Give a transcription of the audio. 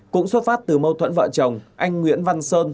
cũng xuất phát từ mâu thuẫn vợ chồng anh nguyễn văn sơn